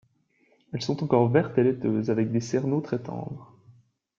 Elles sont encore vertes et laiteuses avec des cerneaux très tendres.